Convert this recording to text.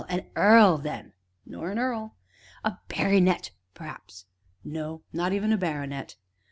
a earl, then?" "Nor an earl." "A barrynet, p'r'aps?" "Not even a baronet."